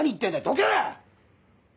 どけ！